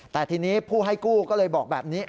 แต่ทีนี้ผู้ให้กู้ก็เลยบอกแบบนี้